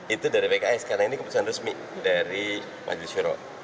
itu dari pks karena ini keputusan resmi dari majelis syuro